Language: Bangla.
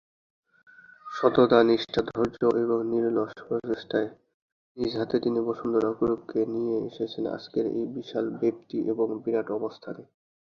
সততা, নিষ্ঠা, ধৈর্য এবং নিরলস প্রচেষ্টায় নিজ হাতে তিনি বসুন্ধরা গ্রুপকে নিয়ে এসেছেন আজকের এই বিশাল ব্যাপ্তি এবং বিরাট অবস্থানে।